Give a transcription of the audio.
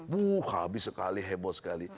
bu habis sekali heboh sekali